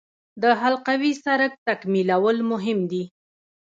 د حلقوي سړک تکمیلول مهم دي